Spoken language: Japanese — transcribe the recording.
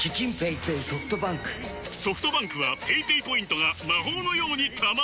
ソフトバンクはペイペイポイントが魔法のように貯まる！